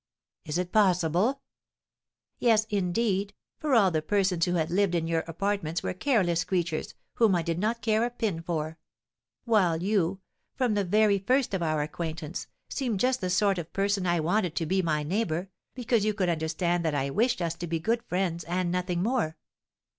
"Is it possible?" "Yes, indeed, for all the other persons who had lived in your apartments were careless creatures, whom I did not care a pin for; while you, from the very first of our acquaintance, seemed just the sort of person I wanted to be my neighbour, because you could understand that I wished us to be good friends, and nothing more.